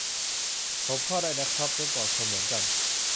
ผมเข้าได้นะครับ เว็บบอร์ด คนเหมือนกัน